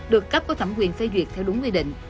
được cấp có thẩm quyền phê duyệt theo đúng quy định